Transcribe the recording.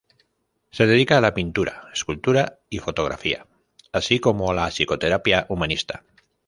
Se dedica a la pintura, escultura y fotografía, así como a la psicoterapia humanista.